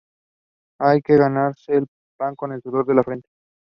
It remained in this sector until it was withdrawn to cover losses suffered.